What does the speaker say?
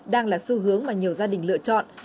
đang là xu hướng mà nhiều gia đình lựa chọn